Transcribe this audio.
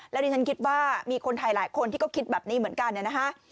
แล้วดิฉันคิดว่ามีคนไทยหลายคนที่ก็คิดแบบนี้เหมือนกันนะฮะ